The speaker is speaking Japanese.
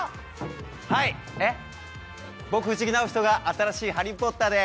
はい、僕、藤木直人が新しいハリー・ポッターです。